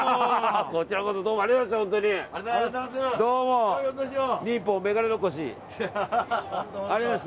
こちらこそどうもありがとうございました。